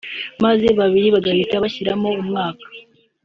maze babiri bagahita bashiramo umwuka